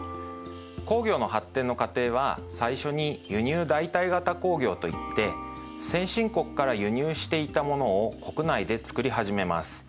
工業の発展の過程は最初に輸入代替型工業といって先進国から輸入していたものを国内でつくり始めます。